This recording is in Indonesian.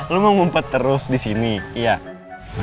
lo mau mumpet terus di sini iya